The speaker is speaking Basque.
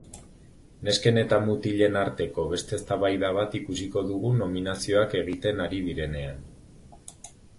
Nesken eta mutilen arteko beste eztabaida bat ikusiko dugu nominazioak egiten ari direnean.